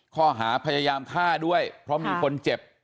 ข้อหาพยายามฆ่าด้วยเพราะมีคนเจ็บ